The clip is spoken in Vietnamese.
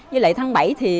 với lại tháng bảy thì